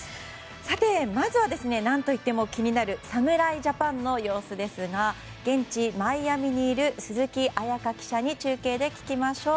まずは、何といっても気になる侍ジャパンの様子ですが現地マイアミにいる鈴木彩加記者に中継で聞きましょう。